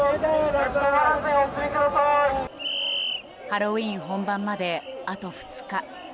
ハロウィーン本番まであと２日。